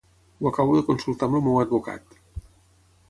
Ho acabo he consultat amb el meu advocat.